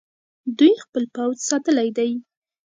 دوی خپل پوځ ساتلی دی.